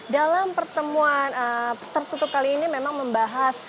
dalam pertemuan tertutup kali ini memang membahas